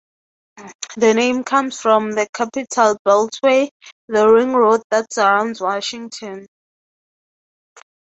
The name comes from the Capital Beltway, the ring road that surrounds Washington.